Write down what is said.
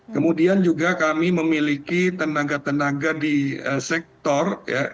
kemudian juga kami memiliki tenaga tenaga di sektor